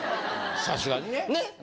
さすがにね。ね？